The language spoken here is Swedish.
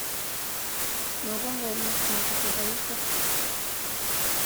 Någon gång måste man få sova ut också.